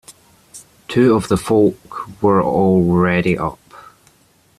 Two of the Folk were already up.